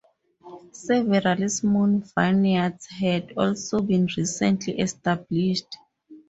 Several small vineyards have also been recently established.